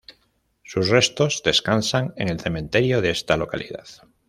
Sus restos descansan en el cementerio de esta localidad.